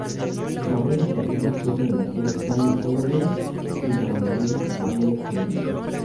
Sus abuelos paternos fueron el actor Stanley Holloway y la bailarina Violet Lane.